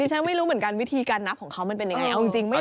ฉันไม่รู้เหมือนกันวิธีการนับของเขามันเป็นยังไง